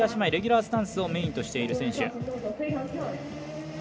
レギュラースタンスをメインとしている選手。